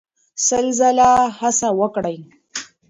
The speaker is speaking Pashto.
سل ځله هڅه وکړئ.